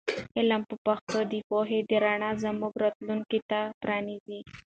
علم په پښتو د پوهې د رڼا زموږ راتلونکي ته پرانیزي.